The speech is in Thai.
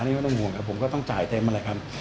นี่ก็ต้องห่วงครับผมก็ต้องจ่ายเต็มนั่นแหละครับ